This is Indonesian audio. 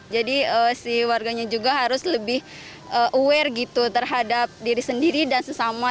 jadi si warganya juga harus lebih aware gitu terhadap diri sendiri dan sesama